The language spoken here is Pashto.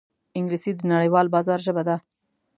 انګلیسي د نړیوال بازار ژبه ده